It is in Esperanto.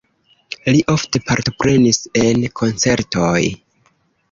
Li ofte partoprenis en koncertoj.